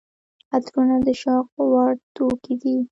عطرونه د شوق وړ توکي دي.